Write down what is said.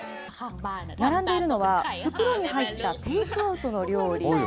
並んでいるのは、袋に入ったテイクアウトの料理。